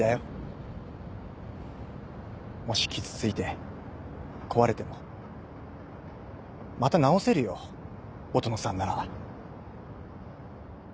もし傷ついて壊れてもまた直せるよ音野さんなら。